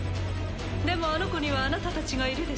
でもあの子にはあなたたちがいるでしょ？